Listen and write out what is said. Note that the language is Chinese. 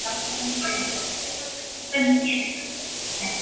肿柄杜英为杜英科杜英属下的一个种。